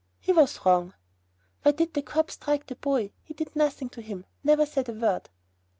"He was wrong." "Why did the cop strike the boy? He did nothing to him; never said a word."